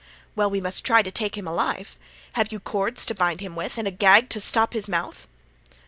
"'Well, we must try to take him alive. Have you cords to bind him with and a gag to stop his mouth?